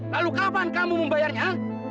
lalu kapan kamu membayarnya